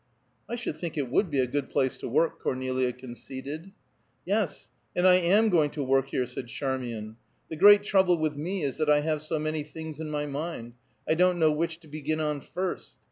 "I should think it would be a good place to work," Cornelia conceded. "Yes, and I am going to work here," said Charmian. "The great trouble with me is that I have so many things in my mind I don't know which to begin on first.